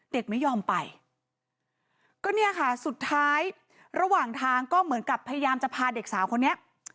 เด็กไม่ยอมไปก็เนี่ยค่ะสุดท้ายระหว่างทางก็เหมือนกับพยายามจะพาเด็กสาวคนนี้